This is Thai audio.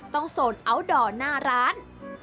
โซนอัลดอร์หน้าร้าน